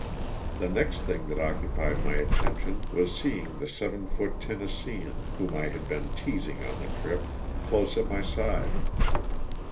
The next thing that occupied my attention was seeing the seven foot Tennesseean, whom I had been teasing on the trip, close at my side.